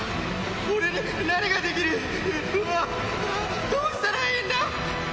俺に何ができる？どうしたらいいんだ。